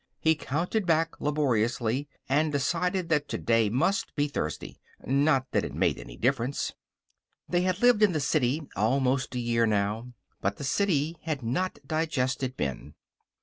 He counted back laboriously and decided that today must be Thursday. Not that it made any difference. They had lived in the city almost a year now. But the city had not digested Ben.